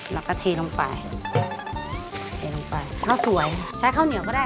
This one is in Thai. แล้วก็เทลงไปเทลงไปข้าวสวยใช้ข้าวเหนียวก็ได้